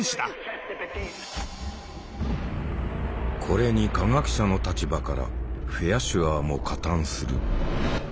これに科学者の立場からフェアシュアーも加担する。